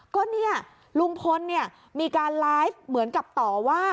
ก็เนี่ยลุงพลเนี่ยมีการไลฟ์เหมือนกับต่อว่า